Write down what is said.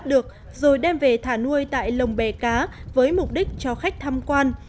các hộ nuôi cá bè được rồi đem về thả nuôi tại lồng bè cá với mục đích cho khách tham quan